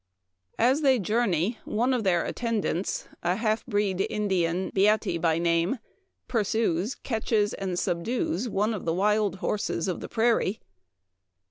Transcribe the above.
As they journey, one of their attendants, a half breed Indian, Beatte by name, pursues, catches, and subdues one of the wild horses of the prairie.